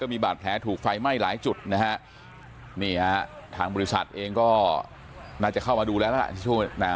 มีบาดแผลถูกไฟไหม้หลายจุดนะฮะนี่ฮะทางบริษัทเองก็น่าจะเข้ามาดูแล้วล่ะช่วงหน้า